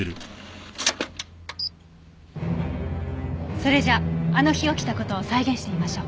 それじゃああの日起きた事を再現してみましょう。